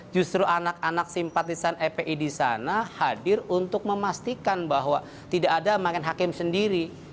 justru anak anak simpatisan fpi di sana hadir untuk memastikan bahwa tidak ada main hakim sendiri